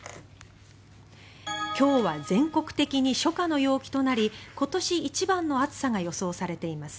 今日は全国的に初夏の陽気となり今年一番の暑さが予想されています。